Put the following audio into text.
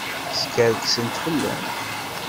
Skerksent fell-am.